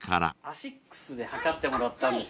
アシックスで測ってもらったんですよ。